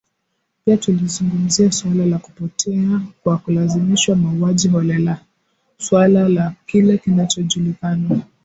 Pia tulizungumzia suala la kupotea kwa kulazimishwa mauaji holela suala la kile kinachojulikana